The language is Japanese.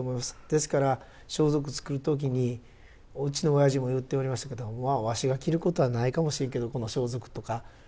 ですから装束作る時にうちの親父も言っておりましたけど「まあわしが着ることはないかもしれんけどこの装束」とか。